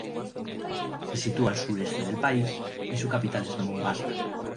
Se sitúa al sureste del país y su capital es Mombasa.